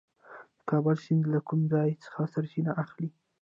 د کابل سیند له کوم ځای څخه سرچینه اخلي؟